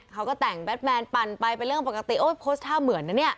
เขาก็แต่งแดดแมนปั่นไปเป็นเรื่องปกติโอ๊ยโพสต์ท่าเหมือนนะเนี่ย